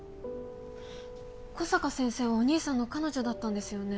小坂先生はお兄さんの彼女だったんですよね？